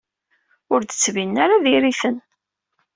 Ur d-ttbinen ara diri-ten.